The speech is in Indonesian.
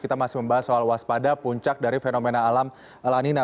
kita masih membahas soal waspada puncak dari fenomena alam lanina